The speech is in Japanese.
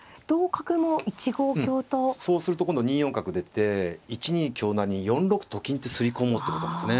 そうすると今度２四角出て１二香成に４六と金ってすり込もうってことなんですね。